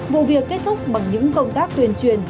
vụ việc kết thúc bằng những công tác tuyên truyền